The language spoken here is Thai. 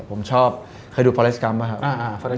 ผมชอบเคยดูฟอเลสกรรมป่ะครับ